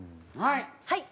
はい！